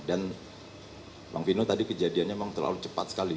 dan bang vino tadi kejadiannya memang terlalu cepat sekali